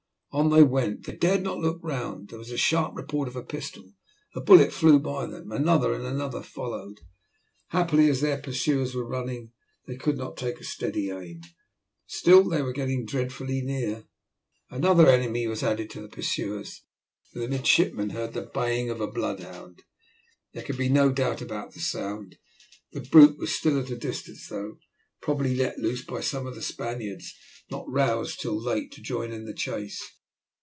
On they went. They dared not look round. There was a sharp report of a pistol a bullet flew by them. Another and another followed. Happily, as their pursuers were running, they could not take steady aim; still they were getting dreadfully near. Another enemy was added to the pursuers. The midshipmen heard the baying of a bloodhound. There could be no doubt about the sound. The brute was still at a distance though; probably let loose by some of the Spaniards not roused till late to join in the chase.